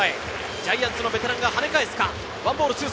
ジャイアンツのベテランが跳ね返すか。